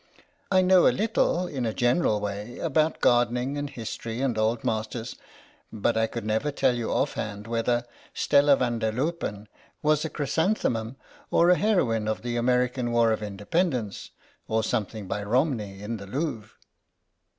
I know a little in a general way about garden ing and history and old masters, but I could never tell you off hand whether 'Stella van der Loopen' was a chrysanthemum or a heroine of the American War of Independ ence, or something by Romney in the Louvre."